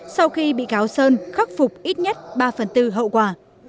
sau khi bị cáo sơn khắc phục ít nhất ba phần tư hậu quả